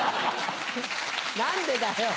何でだよ！